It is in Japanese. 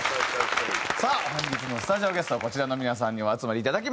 さあ本日のスタジオのゲストはこちらの皆さんにお集まりいただきました。